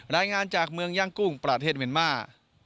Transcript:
รายงานจากเมืองย่างกุ้งประเทศเมียนมาร์